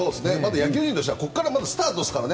野球人としてはまたここからスタートですから。